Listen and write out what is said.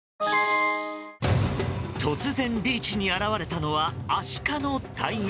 突然ビーチに現れたのはアシカの大群。